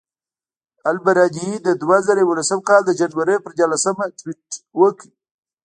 البرادعي د دوه زره یولسم کال د جنورۍ پر دیارلسمه ټویټر وکړ.